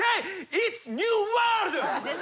イッツニューワールド！